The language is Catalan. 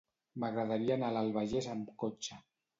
M'agradaria anar a l'Albagés amb cotxe.